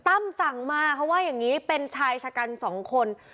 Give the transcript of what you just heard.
ตั้มสั่งมาเขาว่าอย่างนี้เป็นชายชะกันสองคน